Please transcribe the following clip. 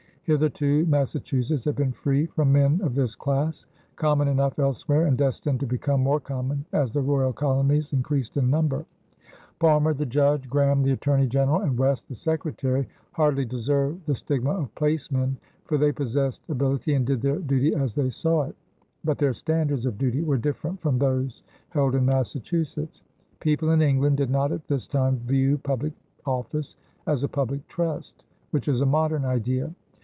Hitherto Massachusetts had been free from men of this class, common enough elsewhere and destined to become more common as the royal colonies increased in number. Palmer, the judge, Graham, the attorney general, and West, the secretary, hardly deserve the stigma of placemen, for they possessed ability and did their duty as they saw it, but their standards of duty were different from those held in Massachusetts. People in England did not at this time view public office as a public trust, which is a modern idea.